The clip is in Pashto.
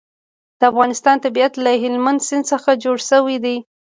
د افغانستان طبیعت له هلمند سیند څخه جوړ شوی دی.